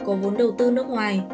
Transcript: có vốn đầu tư nước ngoài